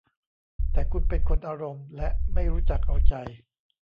แต่คุณเป็นคนอารมณ์ และไม่รู้จักเอาใจ